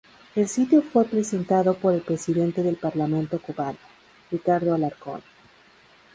El sitio fue presentado por el Presidente del Parlamento Cubano, Ricardo Alarcón.